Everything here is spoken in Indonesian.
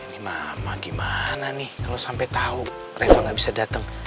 ini mama gimana nih kalau sampai tahu reva gak bisa datang